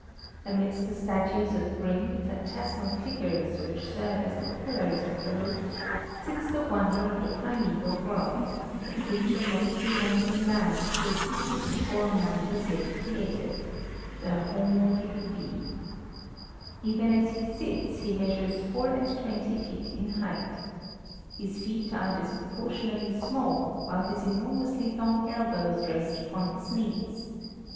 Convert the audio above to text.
Amidst the statues of grim, phantasmal figures which serve as the pillars of the roof sits the wonder of the primæval world, the creature most resembling man, who existed before man was yet created, the homo diluvii. Even as he sits he measures four and twenty feet in height. His feet are disproportionately small, while his enormously long elbows rest upon his knees.